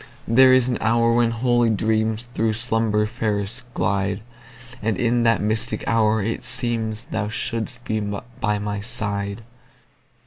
There is an hour when holy dreamsThrough slumber fairest glide; And in that mystic hour it seemsThou shouldst be by my side.